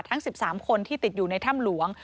ทั้ง๑๓คนที่ติดอยู่ในถ้ำหลวง